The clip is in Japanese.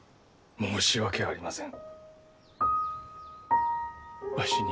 申し訳ありません！